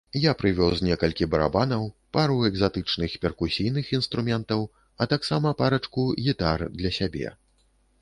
Я прывёз некалькі барабанаў, пару экзатычных перкусійных інструментаў, а таксама парачку гітар для сябе.